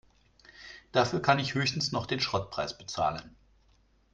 Dafür kann ich höchstens noch den Schrottpreis bezahlen.